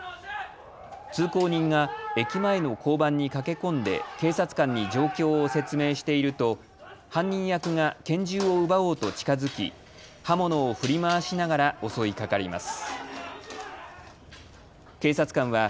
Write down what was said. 通行人が駅前の交番に駆け込んで警察官に状況を説明していると犯人役が拳銃を奪おうと近づき刃物を振り回しながら襲いかかります。